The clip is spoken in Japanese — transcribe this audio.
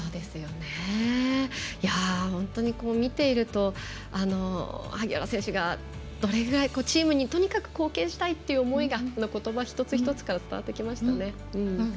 本当に見ていると萩原選手がチームにとにかく貢献したいっていう思いがこのことば一つ一つから伝わってきましたね。